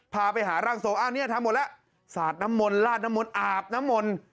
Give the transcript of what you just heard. พาไปหาร่างทรงอ้าวเนี่ยทำหมดแล้วสาดน้ำมนต์ลาดน้ำมนต์อาบน้ำมนต์